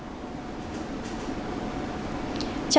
trả lời phỏng vấn hãng tin ap